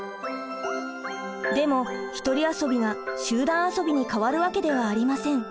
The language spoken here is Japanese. でも「ひとり遊び」が「集団遊び」に変わるわけではありません。